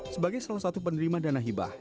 sebagai salah satu penerima dana hibah